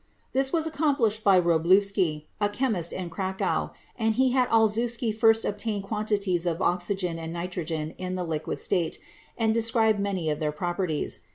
This was accom plished by Wroblewsky, a chemist in Cracow, and he had Olszewsky first obtained quantities of oxygen and nitrogen in the liquid state, and described many of their properties.